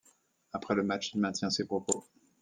Après le match, il maintient ses propos.